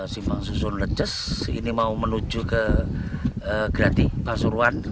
simpang susun leces ini mau menuju ke grati pasuruan